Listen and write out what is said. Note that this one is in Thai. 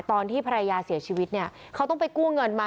ตอนที่ภรรยาเสียชีวิตเนี่ยเขาต้องไปกู้เงินมา